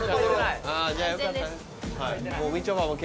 じゃあよかったね。